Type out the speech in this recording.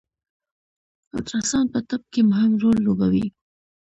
الټراساونډ په طب کی مهم رول لوبوي